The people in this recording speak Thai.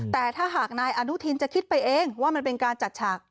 แต่ถ้าหากนายอนุทินจะคิดไปเองว่ามันเป็นการจัดฉาก